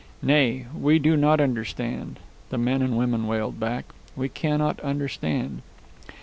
"Nay, we do not understand," the men and women wailed back. "We cannot understand."